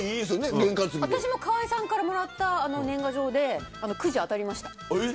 私も川合さんからもらった年賀状でくじが当たりました。